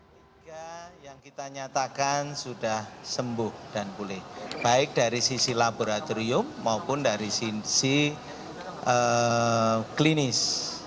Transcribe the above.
tiga yang kita nyatakan sudah sembuh dan pulih baik dari sisi laboratorium maupun dari sisi klinis